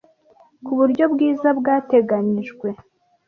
ku buryo bwiza bwateganyije